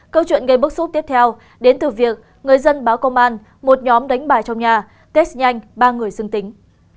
câu chuyện gây bức xúc tiếp theo đến từ việc người dân báo công an một nhóm đánh bài trong nhà test nhanh ba người dương tính